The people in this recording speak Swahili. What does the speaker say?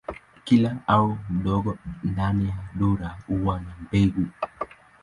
Kila ua mdogo ndani ya duara huwa na mbegu.